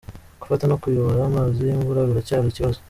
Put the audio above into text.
Gufata no kuyobora amazi y’imvura biracyari ikibazo.